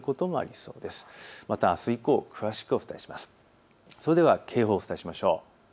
それでは警報をお伝えしましょう。